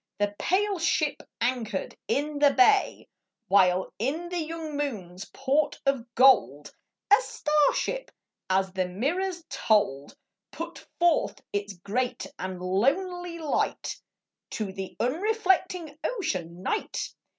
The pale ship anchored in the bay, While in the young moon's port of gold A star ship — as the mirrors told — Put forth its great and lonely light To the unreflecting Ocean, Night.